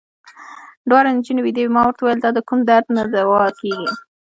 دواړې نجونې وېدې وې، ما ورته وویل: دا د کوم درد نه دوا کېږي.